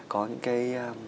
có những cái